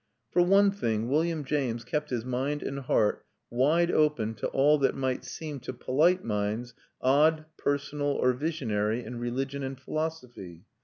For one thing, William James kept his mind and heart wide open to all that might seem, to polite minds, odd, personal, or visionary in religion and philosophy.